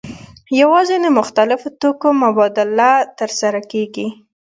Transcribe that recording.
یوازې د مختلفو توکو مبادله ترسره کیږي.